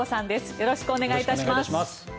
よろしくお願いします。